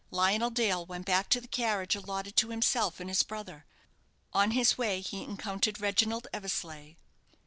Lionel Dale went back to the carriage allotted to himself and his brother. On his way, he encountered Reginald Eversleigh.